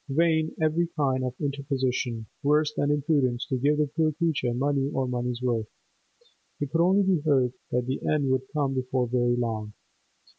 Vain every kind of interposition; worse than imprudence to give the poor creature money or money's worth. It could only be hoped that the end would come before very long.